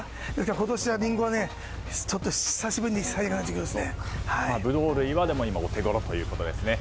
今年はリンゴはちょっと久しぶりに葉物類はお手ごろということですね。